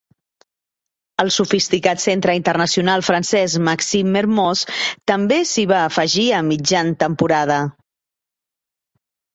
El sofisticat centre internacional francès Maxime Mermoz també s'hi va afegir a mitjan temporada.